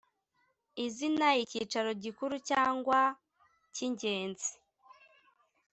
izina icyicaro gikuru cyangwa cy ingenzi